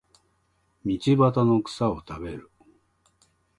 道端の草を食べる